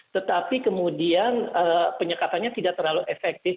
tetapi kemudian penyekatannya tidak terlalu efektif